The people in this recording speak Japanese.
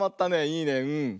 いいねうん。